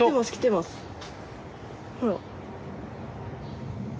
ほら。